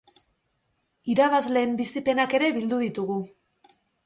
Irabazleen bizipenak ere bildu ditugu.